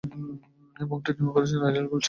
এই ভবনটির নির্মাণ করছে আইডিয়াল গোষ্ঠী।